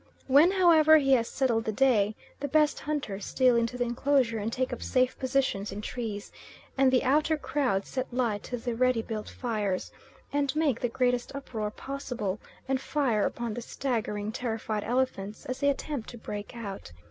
When, however, he has settled the day, the best hunters steal into the enclosure and take up safe positions in trees, and the outer crowd set light to the ready built fires, and make the greatest uproar possible, and fire upon the staggering, terrified elephants as they attempt to break out.